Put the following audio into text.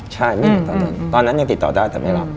ใช่ไม่มีตอนนั้นตอนนั้นยังติดต่อได้แต่ไม่รับ